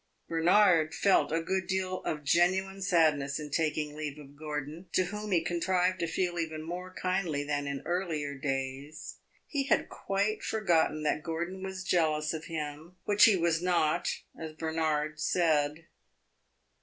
Bernard felt a good deal of genuine sadness in taking leave of Gordon, to whom he contrived to feel even more kindly than in earlier days. He had quite forgotten that Gordon was jealous of him which he was not, as Bernard said.